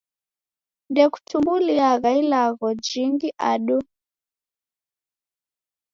Ndekutumbuliagha ilagho jingi ado?